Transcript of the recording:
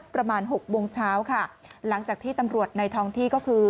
หกโมงเช้าค่ะหลังจากที่ตำรวจในท้องที่ก็คือ